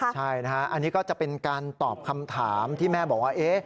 ใช่นะฮะอันนี้ก็จะเป็นการตอบคำถามที่แม่บอกว่า